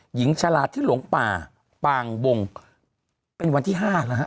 หญิงฉลาดที่หลงป่าปางบงวันที่ห้านะฮะ